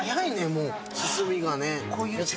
もう進みがね・